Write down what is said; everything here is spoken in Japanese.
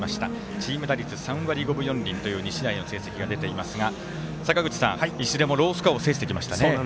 チーム打率３割５分４厘という２試合の成績が出ていますがいずれもロースコアを制してきました。